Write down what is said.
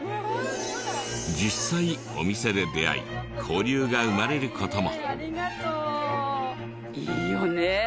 実際お店で出会い交流が生まれる事も。